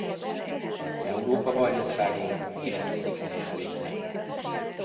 Az Európa-bajnokságon kilencedik helyen végzett.